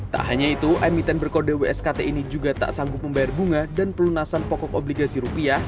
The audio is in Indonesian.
tak hanya itu emiten berkode wskt ini juga tak sanggup membayar bunga dan pelunasan pokok obligasi rupiah